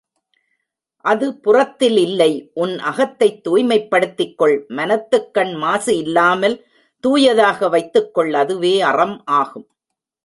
அது புறத்தில் இல்லை உன் அகத்தைத் தூய்மைப்படுத்திக்கொள் மனத்துக்கண் மாசு இல்லாமல் தூயதாக வைத்துக்கொள் அதுவே அறம் ஆகும்.